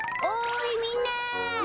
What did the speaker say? おいみんな！